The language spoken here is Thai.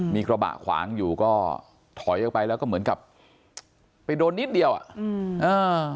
มีกระบะขวางอยู่ก็ถอยออกไปแล้วก็เหมือนกับไปโดนนิดเดียวอ่ะอืมอ่า